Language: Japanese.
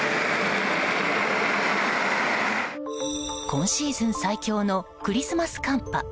今シーズン最強のクリスマス寒波。